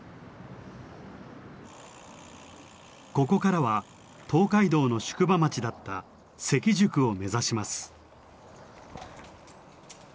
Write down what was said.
ここからは東海道の宿場町だった関宿を目指します。